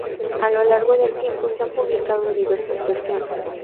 A lo largo del tiempo se han publicado diversas versiones.